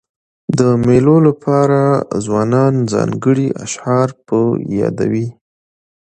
د مېلو له پاره ځوانان ځانګړي اشعار په یادوي.